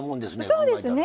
そうですね。